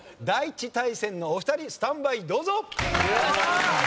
第１対戦のお二人スタンバイどうぞ！